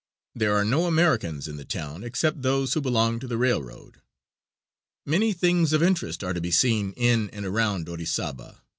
There are no Americans in the town, except those who belong to the railroad. Many things of interest are to be seen in and around Orizaba.